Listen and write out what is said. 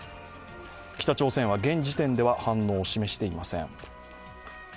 北朝鮮は、現時点では反応を示していません。